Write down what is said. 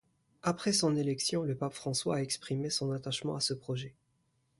Après son élection, le pape François a exprimé son attachement à ce projet.